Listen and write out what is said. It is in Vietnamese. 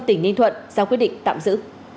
tỉnh ninh thuận giao quyết định tạm giữ